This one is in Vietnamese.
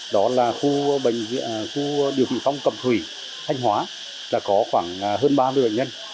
đó là khu điều trị phong cầm thủy thanh hóa là có khoảng hơn ba mươi bệnh nhân